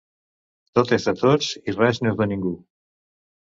Tot és de tots i res no és de ningú.